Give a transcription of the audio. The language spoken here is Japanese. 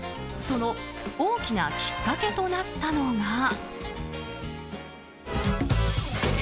その大きなきっかけとなったのが。